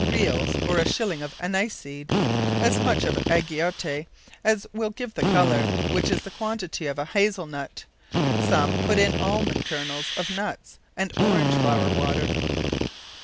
Reals, or a shilling of Anniseeds; as much of Agiote, as will give the colour, which is about the quantity of a Hasell nut. Some put in Almons, kernells of Nuts, and Orenge flower water.